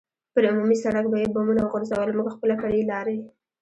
پر عمومي سړک به یې بمونه وغورځول، موږ خپله فرعي لارې.